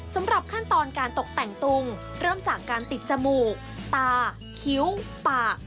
สำหรับขั้นตอนการตกแต่งตุงเริ่มจากการติดจมูกตาคิ้วปาก